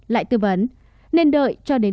lại tư vấn nên đợi cho đến